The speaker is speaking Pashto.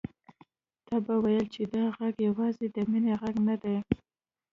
تا به ويل چې دا غږ يوازې د مينې غږ نه دی.